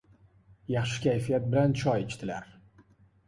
Yaxshi kayfiyat bilan choy ichdilar.